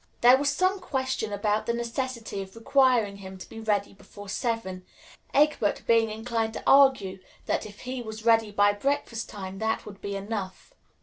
There was some question about the necessity of requiring him to be ready before seven; Egbert being inclined to argue that if he was ready by breakfast time, that would be enough.